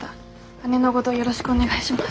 姉のごどよろしくお願いします。